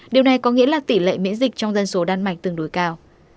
điều này có nghĩa là tỷ lệ miễn dịch trong dân số đan mạch tương đối cao